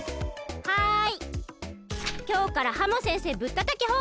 はい！